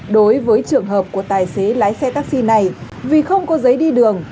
đối với trường hợp của tài xế lái xe taxi này vì không có giấy đi đường